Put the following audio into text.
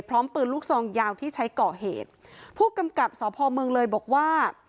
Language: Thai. พร้อมปืนลูกซองยาวที่ใช้ก่อเหตุผู้กำกับสพเมืองเลยบอกว่า